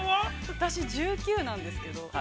◆私、１９なんですけど。